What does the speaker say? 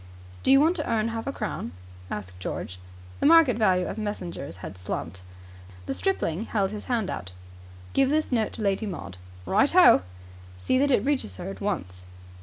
"Do you want to earn half a crown?" asked George. The market value of messengers had slumped. The stripling held his hand out. "Give this note to Lady Maud." "Right ho!" "See that it reaches her at once."